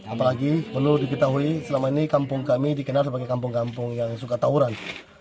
apalagi perlu diketahui selama ini kampung kami dikenal sebagai kampung kampung yang suka tawuran